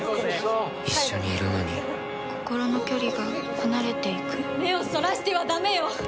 一緒にいるのに心の距離が離れていく目をそらしてはダメよ。